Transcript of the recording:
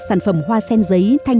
sản phẩm hoa sen giấy